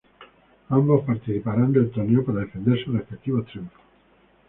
Ambos participarán del torneo, para defender sus respectivos triunfos.